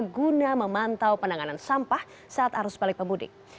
guna memantau penanganan sampah saat arus balik pemudik